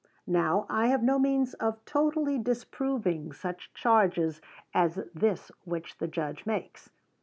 Now, I have no means of totally disproving such charges as this which the Judge makes.